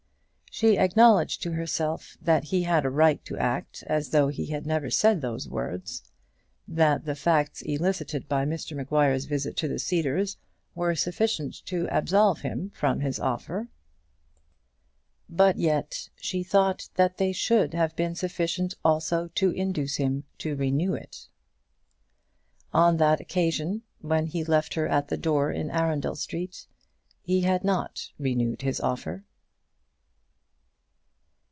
She acknowledged to herself that he had a right to act as though he had never said those words, that the facts elicited by Mr Maguire's visit to the Cedars were sufficient to absolve him from his offer. But yet she thought that they should have been sufficient also to induce him to renew it. On that occasion, when he left her at the door in Arundel Street, he had not renewed his offer.